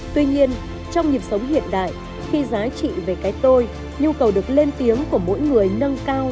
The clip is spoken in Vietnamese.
tuy nhiên trong nhịp sống hiện đại khi giá trị về cái tôi nhu cầu được lên tiếng của mỗi người nâng cao